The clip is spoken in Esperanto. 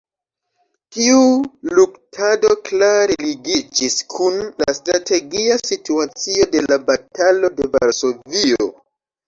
Tiu luktado klare ligiĝis kun la strategia situacio de la Batalo de Varsovio.